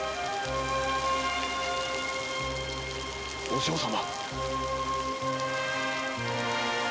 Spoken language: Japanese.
お嬢様！？